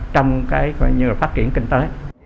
trong phát triển kinh tế